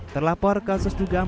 terlapor kasus dugaan